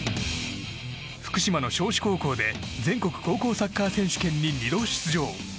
福島の尚志高校で全国高校サッカー選手権に２度出場。